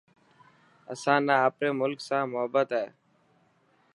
اسان نا آپري ملڪ سان محبت هي.